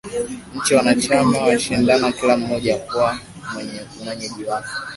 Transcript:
Nchi wanachama wanashindana kila mmoja kuwa mwenyeji wake